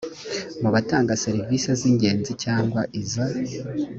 mu batanga serivisi z ingenzi cyangwa iza